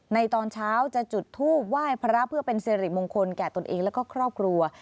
ตอนเช้าจะจุดทูปไหว้พระเพื่อเป็นสิริมงคลแก่ตนเองแล้วก็ครอบครัว